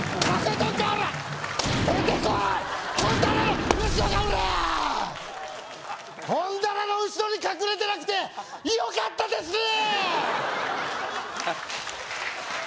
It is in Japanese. コラーッ本棚の後ろに隠れてなくてよかったですねー！